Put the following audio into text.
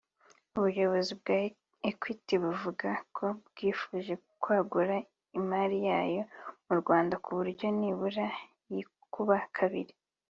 Ubuyobozi bwa Equity buvuga ko bwifuza kwagura imari yayo mu Rwanda ku buryo nibura yikuba kabiri